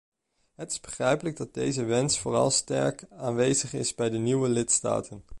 Het is begrijpelijk dat deze wens vooral sterk aanwezig is bij de nieuwe lidstaten.